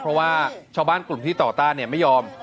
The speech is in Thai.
เพราะว่าชาวบ้านกลุ่มที่ต่อต้านไม่ยอม